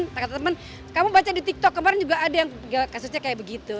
dia kata temen kamu baca di tiktok kemarin juga ada kasusnya kayak begitu